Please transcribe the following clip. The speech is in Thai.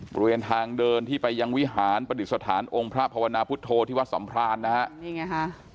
บริเวณทางเดินที่ไปยังวิหารประดิษฐานองค์พระภาวนาพุทธโธที่วัดสัมพรานนะฮะนี่ไงฮะ